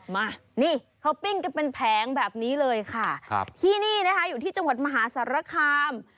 มานี่เขาปิ้งกันเป็นแผงแบบนี้เลยค่ะครับที่นี่นะคะอยู่ที่จังหวัดมหาสารคาม